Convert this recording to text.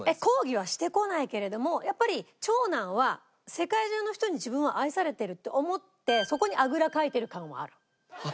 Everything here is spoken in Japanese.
抗議はしてこないけれどもやっぱり長男は世界中の人に自分は愛されてるって思ってそこにあぐらかいてる感はある。